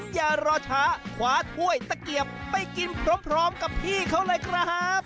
อย่ารอช้าขวาถ้วยตะเกียบไปกินพร้อมกับพี่เขาเลยครับ